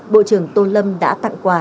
bộ trưởng tô lâm đã tặng quà